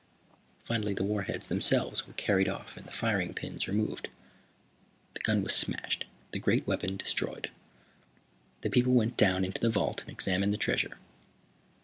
Finally the warheads themselves were carried off and the firing pins removed. The gun was smashed, the great weapon destroyed. The people went down into the vault and examined the treasure.